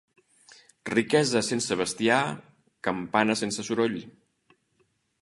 Riquesa sense bestiar, campana sense soroll.